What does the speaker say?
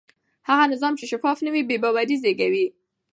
هغه نظام چې شفاف نه وي بې باوري زېږوي